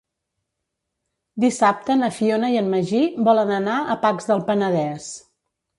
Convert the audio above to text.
Dissabte na Fiona i en Magí volen anar a Pacs del Penedès.